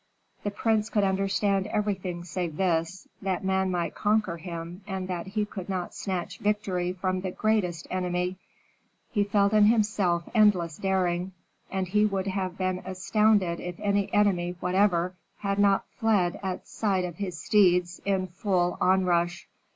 The prince could understand everything save this, that man might conquer him and that he could not snatch victory from the greatest enemy. He felt in himself endless daring, and he would have been astounded if any enemy whatever had not fled at sight of his steeds in full onrush.